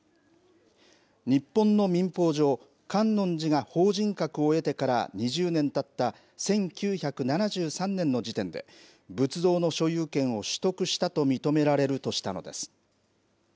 日本の民法上観音寺が法人格を得てから２０年たった１９７３年の時点で仏像の所有権を取得したと認められるとしたのです。